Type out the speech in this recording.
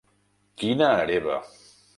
Quina hereva!